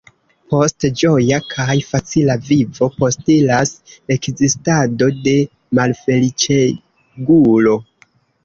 Post ĝoja kaj facila vivo postiras ekzistado de malfeliĉegulo.